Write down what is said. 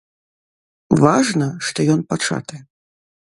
Важна, што ён пачаты.